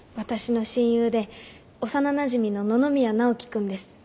私の親友で幼なじみの野々宮ナオキ君です。